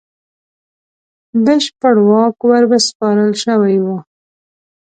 بشپړ واک ورسپارل شوی وو.